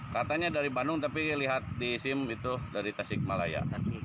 katanya dari bandung tapi lihat di sim itu dari tasik malaya